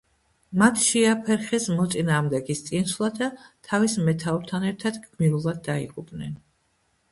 მათ შეაფერხეს მოწინააღმდეგის წინსვლა და თავის მეთაურთან ერთად გმირულად დაიღუპნენ.